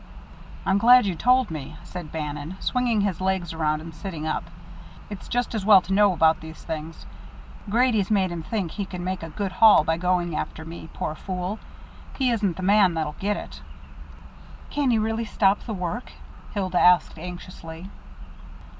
"I'm glad you told me," said Bannon, swinging his legs around and sitting up. "It's just as well to know about these things. Grady's made him think he can make a good haul by going after me, poor fool he isn't the man that'll get it." "Can he really stop the work?" Hilda asked anxiously.